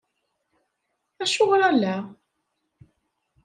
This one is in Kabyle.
Acuɣer ala?